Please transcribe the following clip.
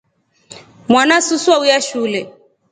Mwanasu su auya shule.